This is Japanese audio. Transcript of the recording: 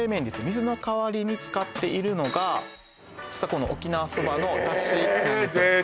水の代わりに使っているのが実はこの沖縄そばのだしなんですえっ！？